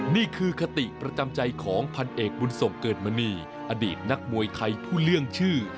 นี่คือคติประจำใจของพันเอกบุญส่งเกิดมณีอดีตนักมวยไทยผู้เลี่ยงชื่อ